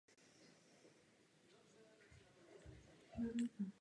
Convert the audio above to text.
Následně byl vychováván matkou a prarodiči.